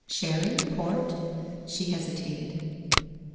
Sherry ? Port ?' She hesitated.